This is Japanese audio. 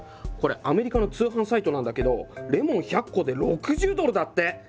これアメリカの通販サイトなんだけどレモン１００個で６０ドルだって。